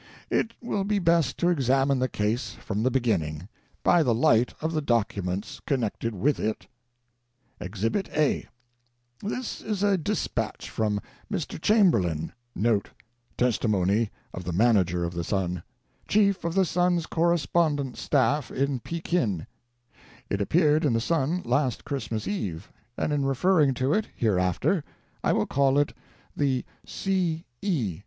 It will be best to examine the case from the beginning, by the light of the documents connected with it. EXHIBIT A. This is a dispatch from Mr. Chamberlain,* chief of the Sun's correspondence staff in Pekin. It appeared in the Sun last Christmas Eve, and in referring to it hereafter I will call it the "C. E.